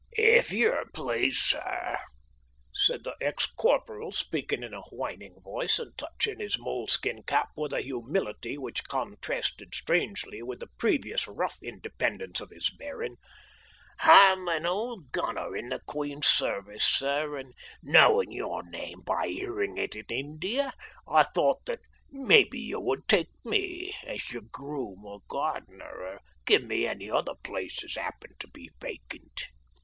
"If you please, sir," said the ex corporal, speaking in a whining voice, and touching his moleskin cap with a humility which contrasted strangely with the previous rough independence of his bearing, "I'm an old gunner in the Queen's service, sir, and knowing your name by hearing it in India I thought that maybe you would take me as your groom or gardener, or give me any other place as happened to be vacant."